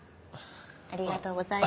ありがとうございます。